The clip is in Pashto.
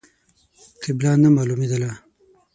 قبله نه مالومېدله.